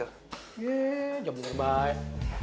yee ya bener baik